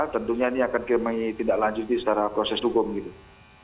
tentunya ini akan kirmai tidak lanjut di setara proses hukum gitu